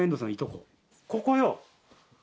ここよ。